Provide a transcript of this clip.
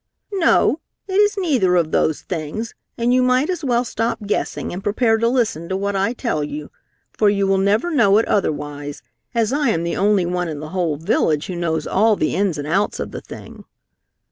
"No, it is neither of those things, and you might as well stop guessing and prepare to listen to what I tell you, for you will never know it otherwise, as I am the only one in the whole village who knows all the ins and outs of the thing."